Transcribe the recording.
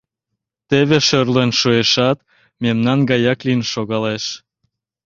Теве шӧрлен шуэшат, мемнан гаяк лийын шогалеш.